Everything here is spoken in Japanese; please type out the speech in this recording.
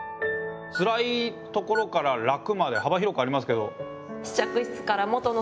つらいところから楽まで幅広くありますけど。